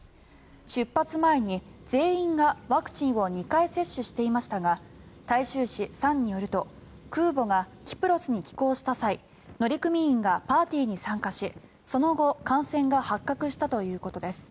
出発前に全員がワクチンを２回接種していましたが大衆紙サンによると空母がキプロスに寄港した際乗組員がパーティーに参加しその後、感染が発覚したということです。